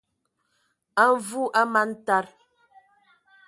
A Mvu a man taa,